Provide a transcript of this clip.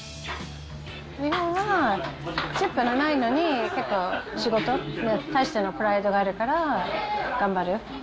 日本はチップがないのに、結構仕事に対してのプライドがあるから頑張る。